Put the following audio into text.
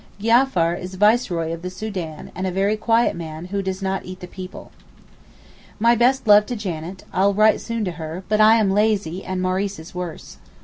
Giafar is Viceroy of the Soudan, and a very quiet man, who does not 'eat the people.' My best love to Janet, I'll write soon to her, but I am lazy and Maurice is worse.